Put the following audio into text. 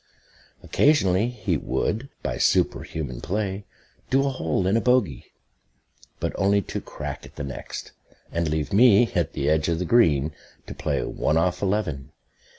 Occasionally he would, by superhuman play, do a hole in bogey; but only to crack at the next, and leave me, at the edge of the green, to play "one off eleven."